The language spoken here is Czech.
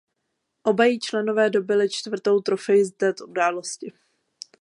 Oba její členové dobyli čtvrtou trofej z této události.